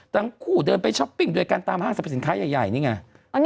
ตั้งคู่เดินไปช้อปปิ่งโดยการตามห้างสภิษณค้ายใหญ่นี่ไง